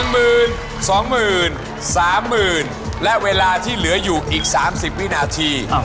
๓๐๐๐และเวลาที่เหลืออยู่อีก๓๐วินาที